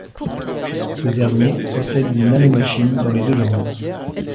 Ce dernier possède une nano-machine dans les deux jambes.